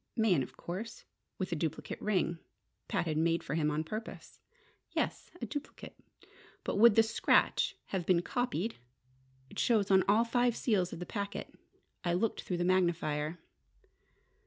"Mayen, of course: with a duplicate ring Pat had made for him on purpose." "Yes, a duplicate. But would the scratch have been copied? It shows on all five seals of the packet. I looked through the magnifier."